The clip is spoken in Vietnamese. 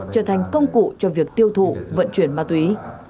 trở thành công cụ cho việc tiêu thụ vận chuyển ma túy